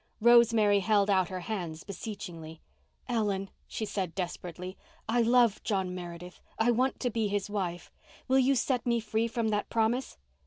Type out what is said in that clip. Rosemary held out her hands beseechingly. "Ellen," she said desperately, "I love John Meredith—I want to be his wife. Will you set me free from that promise?"